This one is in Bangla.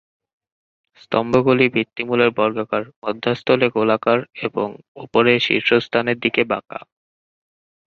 স্তম্ভগুলি ভিত্তিমূলে বর্গাকার, মধ্যস্থলে গোলাকার এবং উপরে শীর্ষস্থানের দিকে বাঁকা।